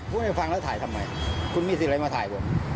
พูดไม่ได้ฟังแล้วถ่ายทำไมคุณมีสิทธิ์ไว้มาถ่ายไหม